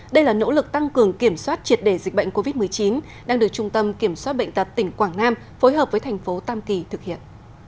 đây là nỗ lực tăng cường kiểm soát triệt đề dịch bệnh covid một mươi chín đang được trung tâm kiểm soát bệnh tật tỉnh quảng nam phối hợp với thành phố tam kỳ thực hiện